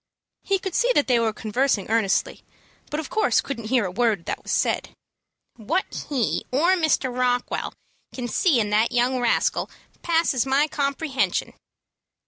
He could see that they were conversing earnestly, but of course couldn't hear a word that was said. "What he or Mr. Rockwell can see in the young rascal passes my comprehension."